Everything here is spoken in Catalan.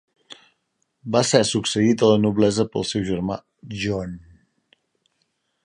Va ser succeït a la noblesa pel seu germà John.